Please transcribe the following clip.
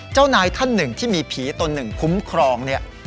เจ้านายท่านหนึ่งที่มีผีตนหนึ่งคุ้มครองเนี่ย